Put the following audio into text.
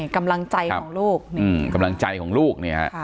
กำลังใจของลูก